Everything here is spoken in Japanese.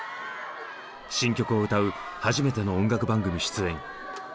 新曲を歌う初めての音楽番組出演。